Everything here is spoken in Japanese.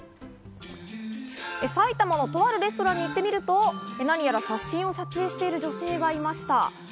埼玉のとあるレストランに行ってみると、なにやら写真を撮影している女性がいました。